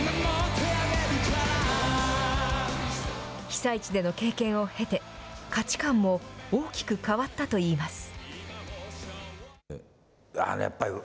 被災地での経験を経て、価値観も大きく変わったといいます。